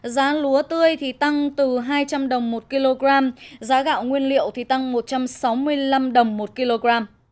giá lúa tươi thì tăng từ hai trăm linh đồng một kg giá gạo nguyên liệu tăng một trăm sáu mươi năm đồng một kg